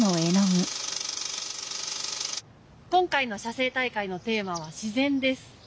今回の写生大会のテーマは「自然」です。